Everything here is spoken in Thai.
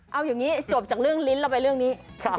เอาอย่างนี้จบจากเรื่องลิ้นเราไปเรื่องนี้